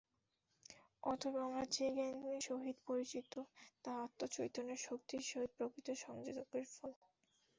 অতএব আমরা যে জ্ঞানের সহিত পরিচিত, তাহা আত্মচৈতন্যের শক্তির সহিত প্রকৃতির সংযোগের ফল।